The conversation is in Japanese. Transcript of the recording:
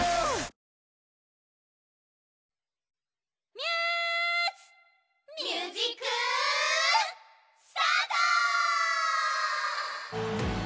ミュージックスタート！